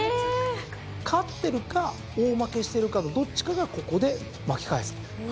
勝ってるか大負けしてるかのどっちかがここで巻き返すという。